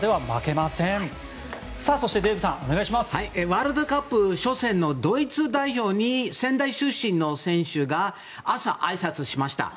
ワールドカップ初戦のドイツ代表に仙台出身の選手が朝、あいさつしました。